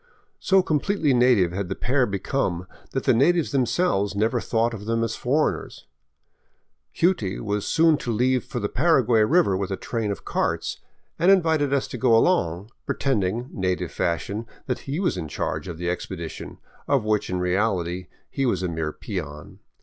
So completely native had the pair become that the natives themselves never thought of them as foreigners. '' Hughtie " was soon to leave for the Paraguay river with a train of carts, and invited us to go along, pretending, native fashion, that he was in charge of the expe dition, of which, in reality, he was a mere peon.